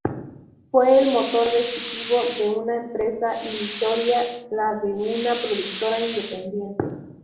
Fue el motor decisivo de una empresa ilusoria, la de una productora independiente.